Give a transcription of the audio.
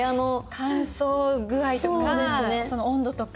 乾燥具合とかその温度とか。